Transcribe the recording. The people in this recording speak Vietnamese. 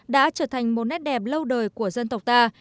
đã trở thành một nét đẹp lâu đời của dân tộc ta